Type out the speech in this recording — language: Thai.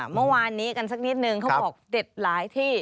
เมื่อวานนี้กันสักนิดนึงเขาบอกเด็ดหลายที่